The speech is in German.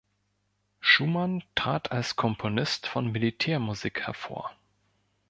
Schumann trat als Komponist von Militärmusik hervor.